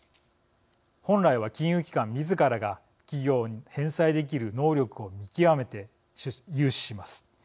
本来は金融機関みずからが企業の返済できる能力を見極めて融資します。